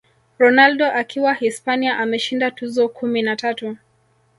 Ronaldo akiwa Hispania ameshinda tuzo kumi na tatu